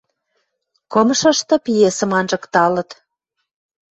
Кымшышты пьесым анжыкталыт.